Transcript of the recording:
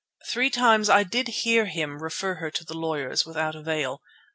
Three times did I hear him refer her to the lawyers—without avail.